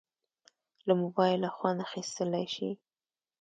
له موبایله خوند اخیستیلی شې.